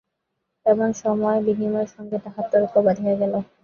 এমন সময় বিনয়ের সঙ্গে তাহার তর্ক বাধিয়া গেল।